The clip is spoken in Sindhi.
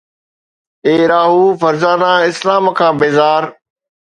اي راهو فرزانه، اسلام کان بيزار